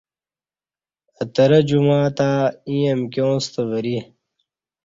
اہ ترہ جمعہ تہ ایں امکیاں ستہ وری